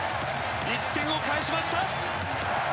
１点を返しました。